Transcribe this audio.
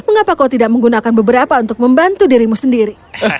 mengapa kau tidak menggunakan beberapa untuk membantu dirimu sendiri